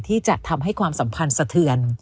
ที่จะทำให้ความสัมพันธ์สะเทือน